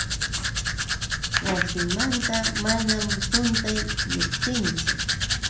Wasimanta manam quntay lluqsinchu.